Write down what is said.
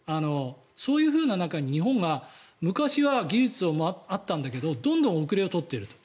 そういうふうな中に日本が昔は技術があったんだけどどんどん後れを取っていると。